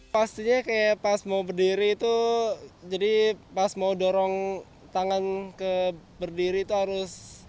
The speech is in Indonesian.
pastinya kayak pas mau berdiri itu jadi pas mau dorong tangan ke berdiri itu harus